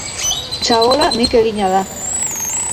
Txabola nik egina da.